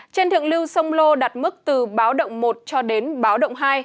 trên thượng lưu sông lô đạt mức từ báo động một cho đến báo động hai